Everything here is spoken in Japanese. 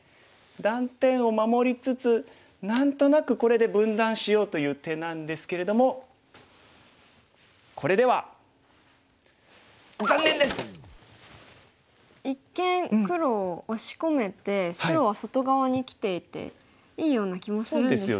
断点を守りつつ何となくこれで分断しようという手なんですけれどもこれでは一見黒を押し込めて白は外側にきていていいような気もするんですが。